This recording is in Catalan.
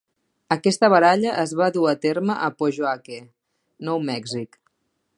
Aquesta baralla es va dur a terme a Pojoaque, Nou Mèxic.